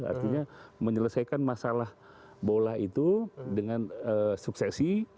artinya menyelesaikan masalah bola itu dengan suksesi